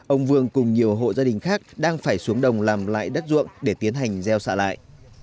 ông vương cùng nhiều hộ gia đình khác đang phải xuống đồng làm lại đất ruộng để tiến hành gieo xạ lại